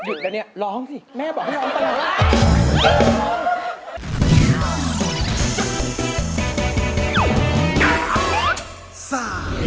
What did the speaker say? ทางเดินของใครเข้ามา